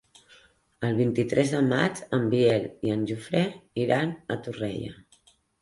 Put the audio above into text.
El vint-i-tres de maig en Biel i en Jofre iran a Torrella.